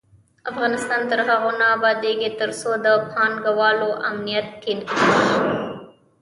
افغانستان تر هغو نه ابادیږي، ترڅو د پانګه والو امنیت ټینګ نشي.